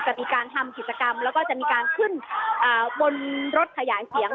จะมีการทำกิจกรรมแล้วก็จะมีการขึ้นบนรถขยายเสียง